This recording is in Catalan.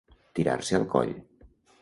Tirar-se al coll.